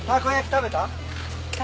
食べた？